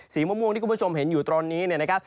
สีมะม่วงที่คุณผู้ชมเห็นอยู่ตอนนี้นะครับ